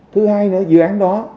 thứ hai nữa dự án đó